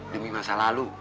demi masa lalu